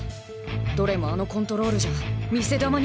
どれもあのコントロールじゃ見せ球にもならない。